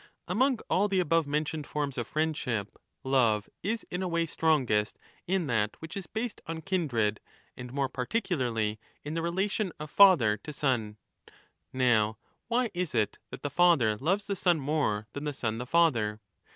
Among all the above mentioned forms of friendship love 12 is in a way strongest in that which is based on kindred, and more particularly in the relation of father to son. Now 20 why is it that the father loves the son more than the son the father